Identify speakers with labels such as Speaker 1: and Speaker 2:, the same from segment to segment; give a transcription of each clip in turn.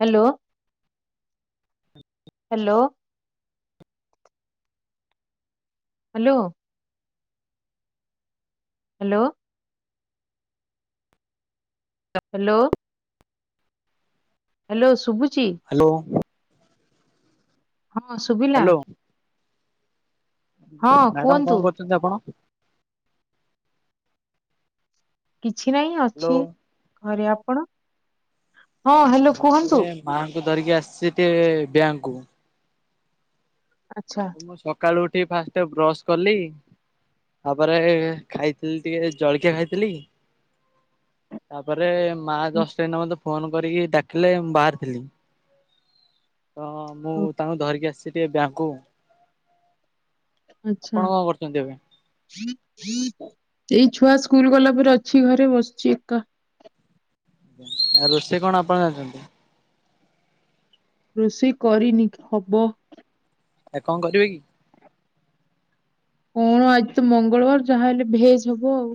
Speaker 1: Hello. Hello. Hello. Hello. Hello. Hello ଶୁଭୁଚି?
Speaker 2: Hello.
Speaker 1: ହଁ ଶୁଭିଲା?
Speaker 2: ହ୍ୟାଲୋ
Speaker 1: ହଁ
Speaker 2: ମ୍ୟାଡାମ
Speaker 1: କୁହନ୍ତୁ
Speaker 2: କଣ କରୁଛନ୍ତି ଆପଣ?
Speaker 1: କିଛି ନାହିଁ ଅଛି
Speaker 2: ହ୍ୟାଲୋ
Speaker 1: ଘରେ ଆପଣ? ହଁ ହ୍ୟାଲୋ
Speaker 2: ମୁଁ
Speaker 1: କୁହନ୍ତୁ
Speaker 2: ତରେ ମାଙ୍କୁ ଧରିକି ଆସିଛି ଟିକେ ବ୍ୟାଙ୍କକୁ।
Speaker 1: ଆଚ୍ଛା।
Speaker 2: ମୁଁ ସକାଳୁ ଉଠି ଫାଷ୍ଟ ବ୍ରଶ କଲି ତାପରେ ଖାଇଥିଲି ଟିକେ ଜଳଖିଆ ଖାଇଥିଲି ତାପରେ ମା ଜଷ୍ଟ ଏଇନା ମତେ ଫୋନ କରିକି ଡାକିଲେ ମୁ ବାହାରିଥିଲି ତ ମୁଁ
Speaker 1: ଓ
Speaker 2: ତାଙ୍କୁ ଧରିକି ଆସିଛି ଟିକେ ବ୍ୟାଙ୍କକୁୁ
Speaker 1: ଆଛା।
Speaker 2: କଣ କରୁଛନ୍ତି ଏବେ?
Speaker 1: ଏଇ ଛୁଆ ସ୍କୁଲ ଗଲା ପରେ ଅଛି ଘରେ ବସିଛି ଏକା।
Speaker 2: ଆଉ ରୋଷେଇ କଣ ଆପଣ ଜାଣଛନ୍ତି?
Speaker 1: ରୋଷେଇ କରିନି ହବ।
Speaker 2: ଏ କଣ କରିବେ କି?
Speaker 1: କଣ ଆଜି ତ ମଙ୍ଗଳବାର ଯାହା ହେଲେ ଭେଜ ହବ ଆଉ।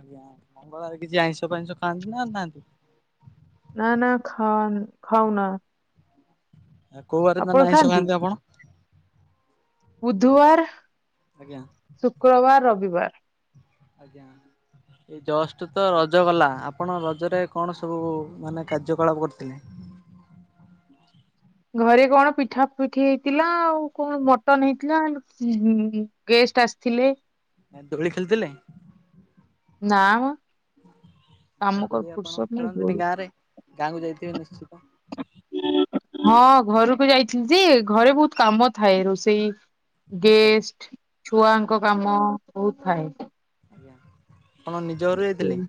Speaker 2: ଆଜ୍ଞା ମଙ୍ଗଳବାର କିଛି ଆଇଁଷ ଫାଇଁଷ ଖାଆନ୍ତି ନା ନାହାନ୍ତି?
Speaker 1: ନା ନା ଖା ଖାାଉନା।
Speaker 2: ଆ କୋଉ ବାର ଦିନ ଆଇଁସ
Speaker 1: ଖାଆନ୍ତି
Speaker 2: ଖାନ୍ତି ଆପଣ?
Speaker 1: ବୁଧବାର
Speaker 2: ଆଜ୍ଞା
Speaker 1: ଶୁକ୍ରବାର ରବିବାର।
Speaker 2: ଆଜ୍ଞା। ଏ ଜଷ୍ଟ ତ ରଜ ଗଲା ଆପଣ ରଜରେ କଣ ସବୁ ମାନେ କାର୍ଯ୍ୟକଳାପ କରିଥିଲେ?
Speaker 1: ଘରେ କଣ ପିଠା ପିଠି ହେଇଥିଲା ଆଉ କଣ ମଟନ ହେଇଥିଲା ଉଁ ହୁଁ ଗେଷ୍ଟ ଆସିଥିଲେ।
Speaker 2: ଦୋଳି ଖେଳିଥିଲେ?
Speaker 1: ନା ମ କାମ
Speaker 2: ଦୋଳି
Speaker 1: କର
Speaker 2: ଆପଣ
Speaker 1: ଫୁୁରସତ ନାଇ
Speaker 2: ଖେଳନ୍ତିନି
Speaker 1: ଦୋଳି।
Speaker 2: ଗାଁ ରେ? ଗାଁକୁ ଯାଇଥିବେ ନିଶ୍ଚିତ?
Speaker 1: ହଁ ଘରକୁ ଯାଇଥିଲି ଯେ ଘରେ ବହୁତ କାମ ଥାଏ ରୋଷେଇ
Speaker 2: ଆଜ୍ଞା
Speaker 1: ଗେଷ୍ଟ ଛୁଆଙ୍କ କାମ ବହୁତ ଥାଏ।
Speaker 2: ଆଜ୍ଞା ତମ ନିଜ ଘର ଯାଇଥିଲେ?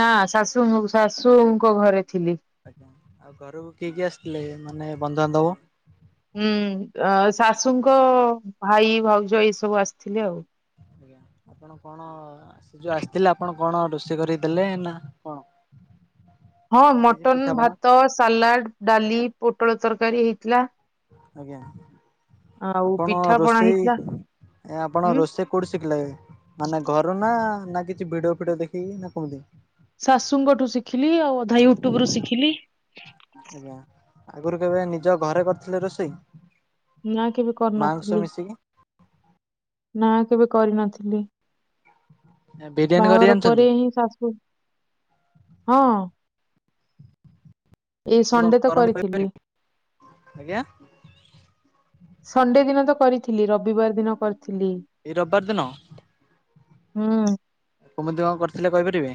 Speaker 1: ନା ଶାଶୁ ଶାଶୁଙ୍କ ଘରେ ଥିଲି।
Speaker 2: ଆଜ୍ଞା ଆଉ ଘରକୁ କିଏ କିଏ ଆସିଥିଲେ ମାନେ ବନ୍ଧୁ ବାନ୍ଧବ?
Speaker 1: ହୁଁ ଶାଶୁଙ୍କ ଭାଇ ଭଉଜ ଏଇ ସବୁ ଆସିଥିଲେି ଆଉ।
Speaker 2: ଆଜ୍ଞା ଆପଣ କଣ ସେ ଯେଉ ଆସିଥିଲେ ଆପଣ କଣ ରୋଷେଇ କରିଦେଲେ ନା କଣ?
Speaker 1: ହଁ
Speaker 2: ଆଉ କିଛି
Speaker 1: ମଟନ
Speaker 2: ପିଠାପଣା
Speaker 1: ଭାତ ସାଲାଡ ଡାଲି ପୋଟଳ ତରକାରୀ ହେଇଥିଲା।
Speaker 2: ଆଜ୍ଞା
Speaker 1: ଆଉ
Speaker 2: ଆପଣ
Speaker 1: ପିଠା ପଣା
Speaker 2: ରୋଷେଇ
Speaker 1: ହେଇଥିଲା
Speaker 2: ଆପଣ
Speaker 1: ହୁଁ
Speaker 2: ରୋଷେଇ କଉଠି ଶିଖିଲା ମାନେ ଘରୁ ନା ନା କିଛି ଭିଡିଓ ଫିଡିଓ ଦେଖିକି ନା କେମିତି?
Speaker 1: ଶାଶୁଙ୍କଠୁ ଶିଖିଲି ଆଉ ଅଧାଇ ୟୁଟ୍ୟୁବ ରୁ ଶିଖିଲି।
Speaker 2: ଆଗରୁ କେବେ ନିଜ ଘରେ କରିଥିଲେ ରୋଷେଇ?
Speaker 1: ନା କେବେ
Speaker 2: ମାଙ୍କ ସହ
Speaker 1: କରୁନଥିଲି।
Speaker 2: ମିଶିକି
Speaker 1: ନା କେବେ କରିନଥିଲି।
Speaker 2: ବିରିୟାନୀ କରି
Speaker 1: ବାହାଘର
Speaker 2: ଜାଣିଛନ୍ତି?
Speaker 1: ପରେ ହିଁ ଶାଶୁ ହଁ। ଏଇ
Speaker 2: କଣ
Speaker 1: ସଣ୍ଡେ ତ
Speaker 2: କରନ୍ତି
Speaker 1: କରିଥିଲି।
Speaker 2: କହିପାରିବେ ଆଜ୍ଞା
Speaker 1: ସଣ୍ଡେ ଦିନ ତ କରିଥିଲି ରବିବାର ଦିନ କରିଥିଲି।
Speaker 2: ଏଇ ରବିବାର ଦିନ?
Speaker 1: ହଁ।
Speaker 2: କୁମତି କଣ କରିଥିଲେ କହିପାରିବେ?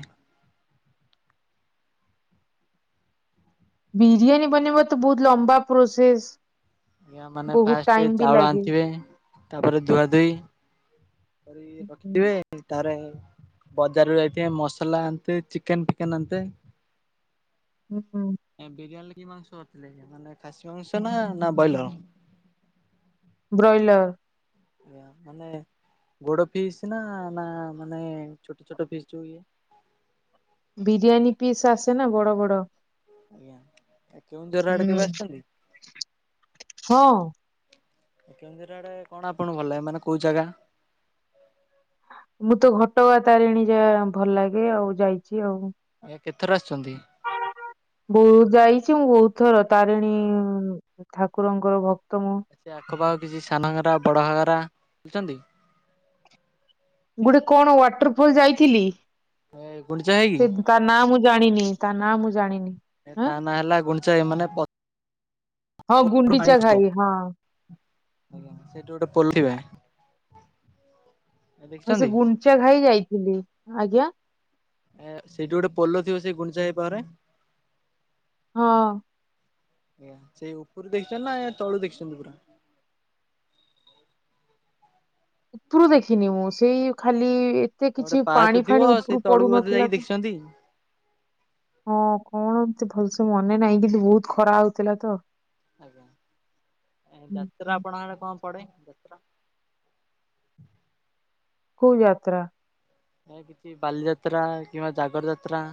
Speaker 1: ବିିରିୟାନୀ ବନେଇବା ତ ବହୁତ ଲମ୍ବାା ପ୍ରୋସେସ।
Speaker 2: ଆଜ୍ଞା ମାନେ
Speaker 1: ବହୁତ
Speaker 2: ଫାଷ୍ଟେ
Speaker 1: ଟାଇମ ବି
Speaker 2: ଚାଉଳ
Speaker 1: ଲାଗେ
Speaker 2: ଆଣିଥିବେ ତାପରେ ଧୁଆ ଧୁଇ କରି ରଖିଥିବେ। ତାରେ, ବଜାରରୁ ଯାଇଥିବେ ମସଲା ଆନ୍ତେ ଚିକେନ ଫିକେନ ଆନ୍ତେ।
Speaker 1: ହୁଁ ହୁଁ। [inaudible]
Speaker 2: ବିରିୟାନୀରେ କି ମାଂସ କରିଥିଲେ ମାନେ ଖାସି ମାଂସ ନା ନା ବଏଲର।
Speaker 1: ବ୍ରଏଲର।
Speaker 2: ଆଜ୍ଞା ମାନେ ଗୋଡ ଫିସ୍ ନା ନା ମାନେ ଛୋଟ ଛୋଟ ପିସ୍ ଯୋଉ ଇଏ।
Speaker 1: ବିରିୟାନୀ ପିସ୍ ଆସେ ନା ବଡ଼ ବଡ଼।
Speaker 2: କେଉଁଝର ଆଡ଼େ
Speaker 1: ହୁଁ
Speaker 2: କେବେ ଆସିଛନ୍ତି?
Speaker 1: ହଁ
Speaker 2: କେଉଁଝର ଆଡ଼େ କଣ ଆପଣଙ୍କୁ ଭଲ ଲାଗେ ମାନେ କୋଉ ଜାଗା?
Speaker 1: ମୁଁ ତ ଘଟଗାଁ ତାରିଣୀ ଯା ଭଲ ଲାଗେ ଆଉ ଯାଇଛି ଆଉ।
Speaker 2: ଆଜ୍ଞା କେତେଥର ଆସିଛନ୍ତି?
Speaker 1: ବହୁତ ଯାଇଛି ମୁଁ ବହୁତ ଥର ତାରିଣୀ ଠାକୁରଙ୍କର ଭକ୍ତ ମୁଁ।
Speaker 2: ସେ ଆଖପାଖ କିଛି ସାନ ଘାଗରା ବଡଘାଗରା ବୁଲିଛନ୍ତି?
Speaker 1: ଗୋଟେ କଣ ୱାଟର ଫଲ ଯାଇଥିଲି।
Speaker 2: ଏ ଗୁଣ୍ଡିଚା ଘାଗି!
Speaker 1: ସେ ତା ନାଁ ମୁଁ ଜାଣିନି, ତା ନାଁ ମୁଁ ଜାଣିନି।
Speaker 2: ଏ
Speaker 1: ଆଁ
Speaker 2: ତା ନାଁ ହେଲା ଗୁଣ୍ଡିଚା ଘାଗି ମାନେ ପ
Speaker 1: ହଁ ଗୁଣ୍ଡିଚା ଘାଈ ହଁ।
Speaker 2: ସେଇଠୁ ଗୋଟେ ପୋଲ ଥିବେ।
Speaker 1: ହଁ ସେ
Speaker 2: ଦେଖିଛନ୍ତି
Speaker 1: ଗୁଣ୍ଡିଚାଘାଇ ଯାଇଥିଲି। ଆଜ୍ଞା।
Speaker 2: ଏ -ସେଇଠି ଗୋଟେ ପୋଲ ଥିବ ସେଇ ଗୁଣ୍ଡିଚାଘାଇ ପାଖରେ।
Speaker 1: ହଁ।
Speaker 2: ଆଜ୍ଞା, ସେଇ ଉପରୁ ଦେଖିଛନ୍ତି ନା ୟା ତଳୁ ଦେଖିଛନ୍ତି ପୁରା।
Speaker 1: ଉପରୁ ଦେଖିନି ମୁଁ ସେଇ ଖାଲି ଏତେ
Speaker 2: ଗୋଟେ
Speaker 1: କିଛି
Speaker 2: ପାହାଚ
Speaker 1: ପାଣି
Speaker 2: ଥିବ
Speaker 1: ଫାଣି
Speaker 2: ସେଇ
Speaker 1: ଉପରୁ
Speaker 2: ତଳକୁ ବୋଧେ ଯାଇକି
Speaker 1: ପଡୁନଥିଲା ତ।
Speaker 2: ଦେଖିଛନ୍ତି
Speaker 1: ହଁ କଣ ଏମିତି ଭଲସେ ମନେ ନାହିଁ କିନ୍ତୁ ବହୁତ ଖରା ହଉଥିଲା ତ।
Speaker 2: ଆଜ୍ଞା, ଏ
Speaker 1: ହୁଁ
Speaker 2: ଯାତ୍ରା
Speaker 1: ହୁଁ
Speaker 2: ଆପଣଙ୍କେ କଣ ପଡେ ଯାତ୍ରା?
Speaker 1: କୋଉ ଯାତ୍ରା?
Speaker 2: ଯେମିତି ବାଲିଯାତ୍ରା କିମ୍ବା ଜାଗର ଯାତ୍ରା।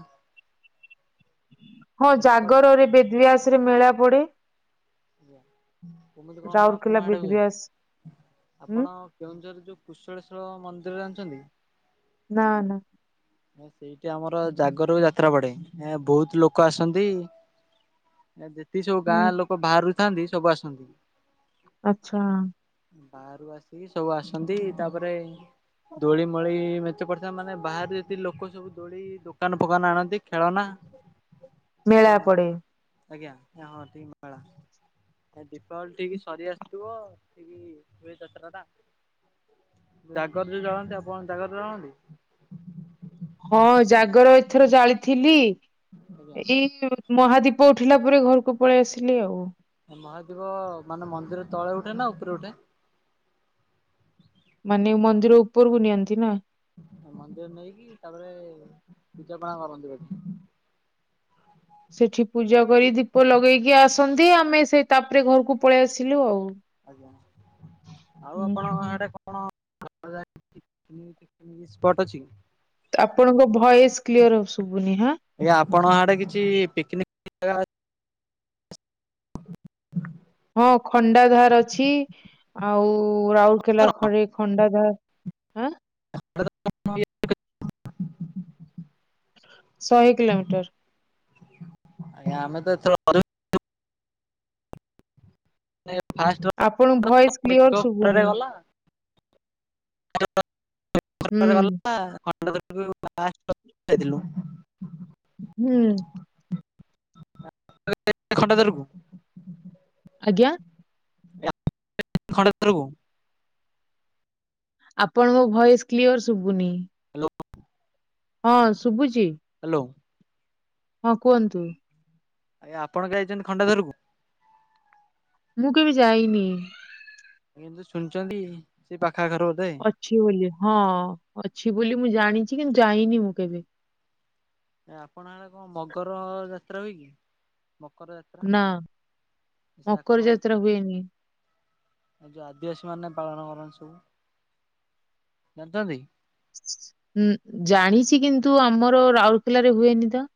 Speaker 1: ହଁ
Speaker 2: ଏମିତି ପଡେ?
Speaker 1: ଜାଗରରେ ବେଦବ୍ୟାସ ରେ ମେଳା ପଡ଼େ।
Speaker 2: ଆଜ୍ଞା କେମିତି କଣ
Speaker 1: ରାଉରକେଲା
Speaker 2: ଆପଣ ଆଡ଼େ ହୁଏ
Speaker 1: ବେଦବ୍ୟାସ ହୁଁ
Speaker 2: ଆପଣ। [inaudible] କେଉଁଝର ଯୋଉ କୁଶଳେଶ୍ୱର୍ ମନ୍ଦିର ଜାଣିଛନ୍ତି?
Speaker 1: ନା ନା।
Speaker 2: ସେଇଠି ଆମର ଜାଗରକୁ ଯାତ୍ରା ପଡ଼େ ବହୁତ ଲୋକ ଆସନ୍ତି। ଯେତିକି ସବୁ
Speaker 1: ହୁଁ
Speaker 2: ଗାଁ ଲୋକ ବାହାରୁଥାନ୍ତି ସବୁ ଆସନ୍ତି।
Speaker 1: ଆଚ୍ଛା।
Speaker 2: ବାହାରୁ। ଆସିକି ସବୁ ଆସନ୍ତି ତାପରେ ଦୋଳି ମୋଳି ମେଞ୍ଚେ ପଡ଼ିଥାଏ ମାନେ ବାହାରେ। ଏତି ଲୋକ ସବୁ ଦୋଳି ଦୋକାନ ଫୋକାନ ଆଣନ୍ତି ଖେଳନା ସବୁ
Speaker 1: ମେଳା
Speaker 2: ଆଣନ୍ତି।
Speaker 1: ପଡେ।
Speaker 2: ଆଜ୍ଞା ହଁ ଠିକ୍ ମେଳା। ଦୀପାବଳି ବିଟି ସରି ଆସିଥିବ ଠିକ ହୁଏ ଯାତ୍ରା ଟା। ଜାଗର ଯୋଉ ଜଳନ୍ତି ଆପଣ ଜାଗର ଜାଳନ୍ତି?
Speaker 1: ହଁ ଜାଗର ଏଥର ଜାଳିଥିଲି
Speaker 2: ଆଜ୍ଞା
Speaker 1: ଏଇ ମହାଦୀପ ଉଠିଲା ପରେ ଘରକୁ ପଳେଇ ଆସିଲି ଆଉ।
Speaker 2: ମହାଦୀପ ମାନେ ମନ୍ଦିର ତଳେ ଉଠେ ନା ଉପରେ ଉଠେ?
Speaker 1: ମାନେ ମନ୍ଦିର ଉପରକୁ ନିଅନ୍ତି ନା।
Speaker 2: ମନ୍ଦିର ନେଇକି ତାପରେ ପୂଜାପଣା କରନ୍ତି ବୋଧେ।
Speaker 1: ସେଠି ପୂଜା କରି ଦୀପ ଲଗେଇକି ଆସନ୍ତି ଆମେ ସେଇ ତାପରେ ଘରକୁ ପଳେଇ ଆସିଲୁ ଆଉ।
Speaker 2: ଆଜ୍ଞା ଆଉ
Speaker 1: ହୁଁ
Speaker 2: ଆପଣ
Speaker 1: ହୁଁ।
Speaker 2: ଏଟା ଅଛି [unintelligible]
Speaker 1: ତ ଆପଣଙ୍କ ଭଏସ କ୍ଲିୟର ଶଭୁନି ହଁ।
Speaker 2: ଆପଣ ଆଡ଼େ କିଛି ପିକନିକ ଜାଗା ଅଛି? ହ [unintelligible]
Speaker 1: ହଁ ଖଣ୍ଡାଧାର ଅଛି ଆଉ ରାଉରକେଲା
Speaker 2: ତ?
Speaker 1: ଖରେ ଖଣ୍ଡାଧାର ଆଁ
Speaker 2: [unintelligible]
Speaker 1: ଶହେ କିଲୋମିଟର।
Speaker 2: ଆଜ୍ଞା ଆମେ ତ ଏଥର [unintelligible] ଫା [unintelligible]
Speaker 1: ଆପଣ ଭଏସ କ୍ଲିଅର ଶୁଭୁନି।
Speaker 2: ଗଲା
Speaker 1: ହୁଁ
Speaker 2: [unintelligible] [unintelligible]
Speaker 1: ହୁଁ।
Speaker 2: ଖଟା ତରକୁ [unintelligible]
Speaker 1: ଆଜ୍ଞା।
Speaker 2: ଖଣ୍ଡରକୁ [unintelligible]
Speaker 1: ଆପଣଙ୍କ ଭଏସ କ୍ଲିଅର ଶୁଭୁନି।
Speaker 2: ହ୍ୟାଲୋ
Speaker 1: ହଁ ଶୁଭୁଛି?
Speaker 2: ହ୍ୟାଲୋ।
Speaker 1: ହଁ କୁହନ୍ତୁ।
Speaker 2: ଆଜ୍ଞା ଆପଣ ଯାଇଛନ୍ତି ଖଣ୍ଡାଧରକୁ?
Speaker 1: ମୁଁ କେବେ ଯାଇନି।
Speaker 2: କିନ୍ତୁ ଶୁଣିଛନ୍ତି ସେଇ ପାଖା କାର ବୋଧେ।
Speaker 1: ଅଛି ବୋଲି ହଁ ଅଛି ବୋଲି ମୁଁ ଜାଣିଛି କିନ୍ତୁ ଯାଇନି ମୁଁ କେବେ।
Speaker 2: ଆପଣ ଆଡ଼େ କଣ ମଗର ଯାତ୍ରା ହୁଏ କି ମକର ଯାତ୍ରା?
Speaker 1: ନା
Speaker 2: ସେ ଆଖ
Speaker 1: ମକର
Speaker 2: ପାଖରେ
Speaker 1: ଯାତ୍ରା ହୁଏନି।
Speaker 2: ଆଉ ଯଉ ଆଦିବାସୀ ମାନେ ପାଳନ କରନ୍ତି ସବୁ ଜାଣିନ୍ତି?
Speaker 1: ଜାଣିଛି କିନ୍ତୁ ଆମର ରାଉରକେଲାରେ ହୁଏନି ତ।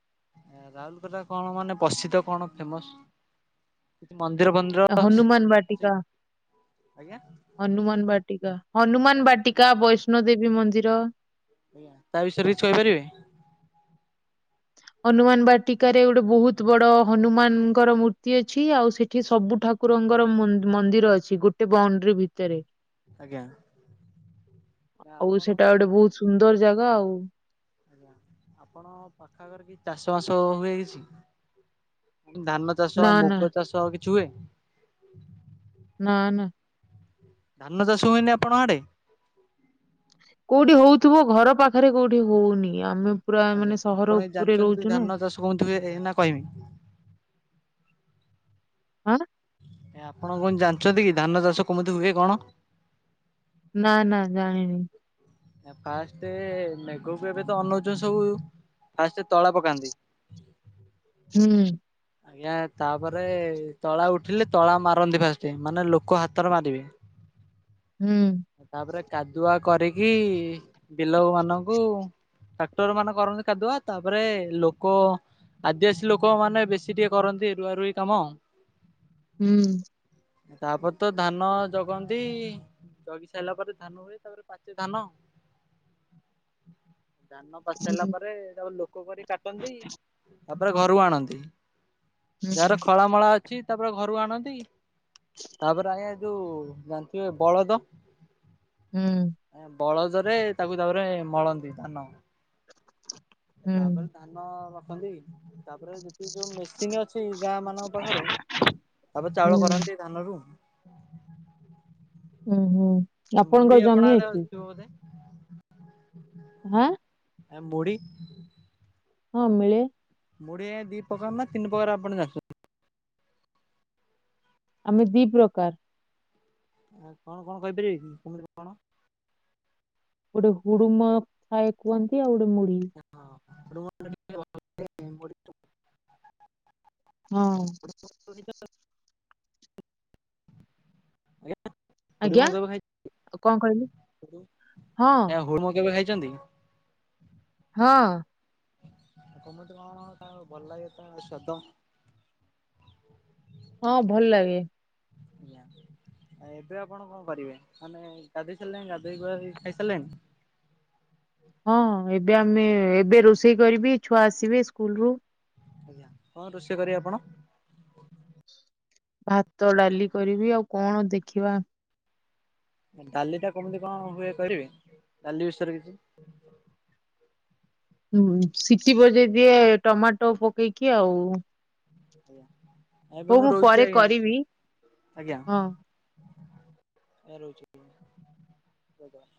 Speaker 2: ରାଉଲକେଲା କଣ ମାନେ ପ୍ରସିଦ୍ଧ କଣ ଫେମସ୍? ମନ୍ଦିର ଫନ୍ଦିର
Speaker 1: ହନୁମାନ
Speaker 2: ଅଛି?
Speaker 1: ହନୁମାନ୍ ବାଟିକା ହନୁମାନ୍
Speaker 2: ଆଜ୍ଞା
Speaker 1: ବାଟିକା ବୈଷ୍ଣୋ ଦେେବୀ ମନ୍ଦିର।
Speaker 2: ଆଜ୍ଞା ତା ବିଷୟରେ କିଛି କହିପାରିବେ?
Speaker 1: ହନୁମାନ୍ ବାଟିକାରେ ଗୋଟେ ବହୁତୂ ବଡ ହନୁମାନଙ୍କର ମୂର୍ତ୍ତି ଅଛି। ଆଉ ସେଠି ସବୁଠାକୁ ଠାକୁରଙ୍କର ମୁ ମନ୍ଦିର ଅଛି ଗୋଟେ ବ୍ରାଉଣ୍ଡ୍ରି ଭିତରେ।
Speaker 2: ଆଜ୍ଞା। ନା
Speaker 1: ଆଉ
Speaker 2: ଆପଣ
Speaker 1: ସେଟା ଗୋଟେ
Speaker 2: କଣ
Speaker 1: ବହୁତ ସୁନ୍ଦର ଜାଗା ଆଉ।
Speaker 2: ଆଜ୍ଞା ଆପଣ କଟକ କି ଚାଷ ବାସ ହୁଏ କିଛି ଧାନ ଚାଷ
Speaker 1: ନା ନା
Speaker 2: ମୁଗ ଚାଷ ଆଉ କିଛି ହୁଏ?
Speaker 1: ନା ନା।
Speaker 2: ଧାନ ଚାଷ ହୁଏନି ଆପଣ ଆଡେ?
Speaker 1: କୋଉଠି ହଉଥିବ ଘର ପାଖରେ କୋଉଠି ହଉନି। ଆମେ ପୁରା ମାନେ ସହର ଉପରେ ରହୁଚୁ ନା।
Speaker 2: କୁହନ୍ତୁ ଏଇନା କହିମି।
Speaker 1: କଣ?
Speaker 2: ନାଇଁ ଆପଣ କଣ ଜାଣିଚନ୍ତି କି ଧାନ ଚାଷ କେମିତି ହୁଏ କଣ?
Speaker 1: ନା ନା ଜାଣିନି।
Speaker 2: ଫାଷ୍ଟ ମେଘ କୁ ଏବେ ତ ଅନଉଚନି ସବୁ ଫାଷ୍ଟେ ତଳ ପକାନ୍ତି।
Speaker 1: ହୁଁ।
Speaker 2: ଆଜ୍ଞା ତାପରେ ତଳା ଉଠିଲେ ତଳା ମାରନ୍ତି ଫାଷ୍ଟ୍ ମାନେ ଲୋକ ହାତରେ ମାରିବେ।
Speaker 1: ହୁଁ।
Speaker 2: ତାପରେ କାଦୁଆ କରିକି ବିଲ ମାନଙ୍କୁ ଟ୍ରାକ୍ଟର୍ ମାନେ କରନ୍ତି କାଦୁଆ। ତାପରେ ଲୋକ ଆଦିବାସୀ ଲୋକ ମାନେ ବେଶୀ ଟିକେ କରନ୍ତି ରୁଆ ରୋଇ କାମ।
Speaker 1: ହୁଁ।
Speaker 2: ତାପରେ ତ ଧାନ ଜଗନ୍ତି। ଜଗି ସାରିଲା ପରେ ଧାନ ହୁଏ ତାପରେ ପାଚେ ଧାନ। ଧାନ ପାଚିସାରିଲା ପରେ ତାପରେ ଲୋକ କରି କାଟନ୍ତି ତାପରେ ଘରୁ ଆଣନ୍ତି।
Speaker 1: ହୁଁ
Speaker 2: ଘରେ ଖଳା ମଳା ଅଛି ତାପରେ ଘରୁକୁ ଆଣନ୍ତି ତାପରେ ଆଜ୍ଞା ଯୋଉ ଜାଣିଥିବେ ବଳଦ।
Speaker 1: ହୁଁ।
Speaker 2: ବଳଦରେ ତାକୁ ତାପରେ ମଳନ୍ତି ଧାନ।
Speaker 1: ହୁଁ ହୁଁ
Speaker 2: ତାପରେ ଧାନ ରଖନ୍ତି। ତାପରେ ଯେତିକି ଯୋଉ ମେସିନ୍ ଅଛି ଗାଁ ମାନଙ୍କ ପାଖରେ ତାପରେ
Speaker 1: ହୁଁ
Speaker 2: ଚାଉଳ କରନ୍ତି ଧାନରୁୁ।
Speaker 1: ହୁଁ ହୁଁ।
Speaker 2: ଆ
Speaker 1: ଆପଣଙ୍କର
Speaker 2: ମୁଢି ଆପଣ
Speaker 1: ଜମି
Speaker 2: ଆଡେ
Speaker 1: ଅଛି
Speaker 2: ଥିବ ବୋଧେ?
Speaker 1: ହାଁ?
Speaker 2: ଆଏ ମୁଢ଼ୀ
Speaker 1: ହଁ ମିଳେ।
Speaker 2: ମୁଢି ଆଜ୍ଞା ଦି ପକାର ନା ତିନି ପକାର ଆପଣ ଜାଣିଚନ୍ତି?
Speaker 1: ଆମେ ଦି ପ୍ରକାର।
Speaker 2: ଆଉ କଣ କଣ କହିପାରିବେ କି କେମିତି କଣ?
Speaker 1: ଗୋଟେ ହୁଡ଼ୁମ ଥାଏ କୁହନ୍ତି ଆଉ ଗୋଟେ ମୁଢି।
Speaker 2: [unintelligible]
Speaker 1: ହଁ।
Speaker 2: [unintelligible]
Speaker 1: ଆଜ୍ଞା କଣ କହିଲେ ହଁ
Speaker 2: [unintelligible] କେବେ ଖାଇଛନ୍ତି?
Speaker 1: ହଁ।
Speaker 2: ଆଉ କମିତି କଣ ତା ଭଲ ଲାଗେ ତା ସ୍ୱାଦ?
Speaker 1: ହଁ ଭଲ ଲାଗେ।
Speaker 2: ଆଜ୍ଞ।। ଏ ବେ ଆପଣ କଣ କରିବେ ମାନେ ଗାଧୋଇ ସାରିଲେଣି ଗାଧୋଇଗୁଧାକି ଖାଇ ସାରିଲେଣି?
Speaker 1: ହଁ ଏବେ ଆମେ ଏବେ ରୋଷେଇ କରିବି ଛୁଆ ଆସିବେ ସ୍କୁଲ ରୁ।
Speaker 2: ଆଜ୍ଞା କଣ ରୋଷେଇ କରିବେ ଆପଣ?
Speaker 1: ଭାତ ଡାଲି କରିବି ଆଉ କଣ ଦେଖିବା।
Speaker 2: ଡାଲି ଟା କେମିତି କଣ ହୁଏ କହିବେ ଡାଲି ବିଷୟରେ କିଛି?
Speaker 1: ହୁଁ ସିଟିି ବଜେଇ ଦିଏ ଟମାଟୋ ପକେଇକି ଆଉ।
Speaker 2: ଏବେ
Speaker 1: ହଉ
Speaker 2: ମୁଁ ରହୁଛି
Speaker 1: ପରେ
Speaker 2: ଆଜ୍ଞା
Speaker 1: କରିବି
Speaker 2: ଆଜ୍ଞା।
Speaker 1: ହଁ।
Speaker 2: ଆଜ୍ଞା ରହୁଛି।